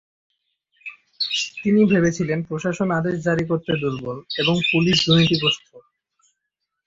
তিনি ভেবেছিলেন প্রশাসন আদেশ জারি করতে দুর্বল এবং পুলিশ দুর্নীতিগ্রস্ত।